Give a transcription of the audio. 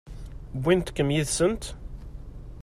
Wwint-kem yid-sent?